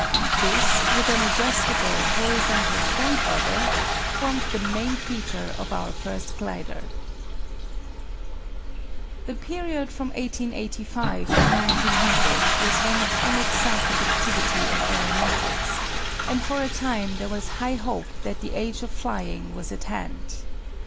This, with an adjustable, horizontal front rudder, formed the main feature of our first glider. The period from 1885 to 1900 was one of unexampled activity in aeronautics, and for a time there was high hope that the age of flying was at hand.